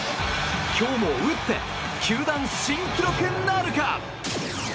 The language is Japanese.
今日も打って球団新記録なるか？